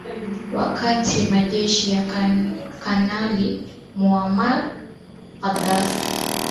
wakati majeshi ya kanali muammar gaddafi